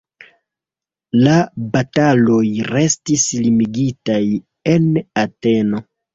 La bataloj restis limigitaj en Ateno.